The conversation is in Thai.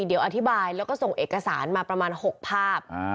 เดี๋ยวอธิบายแล้วก็ส่งเอกสารมาประมาณ๖ภาพ